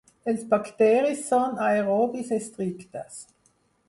Els bacteris són aerobis estrictes.